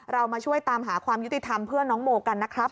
เรามาช่วยตามหาความยุติธรรมเพื่อนน้องโมกันนะครับ